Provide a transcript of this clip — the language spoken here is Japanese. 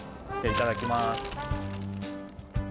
いただきます